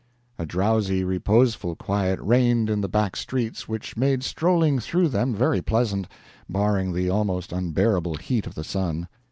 A drowsy reposeful quiet reigned in the back streets which made strolling through them very pleasant, barring the almost unbearable heat of the sun.